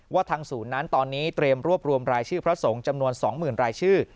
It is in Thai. ทางศูนย์นั้นตอนนี้เตรียมรวบรวมรายชื่อพระสงฆ์จำนวน๒๐๐๐รายชื่อ